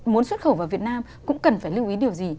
muốn xuất khẩu vào việt nam cũng cần phải lưu ý điều gì